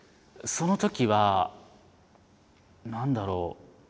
そのときは何だろう？